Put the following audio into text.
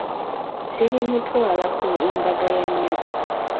Sirimutwala ku mbaga ya nnyabo.